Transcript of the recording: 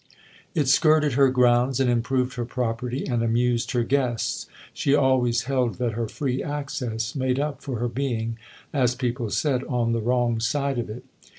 It skirted her grounds and improved her property and amused her guests ; she always held that her free access made up for being, as people said, on the wrong side of it.